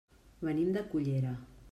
Venim de Cullera.